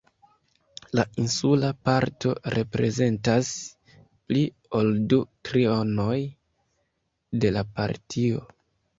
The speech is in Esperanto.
La insula parto reprezentas pli ol du trionoj de la partio.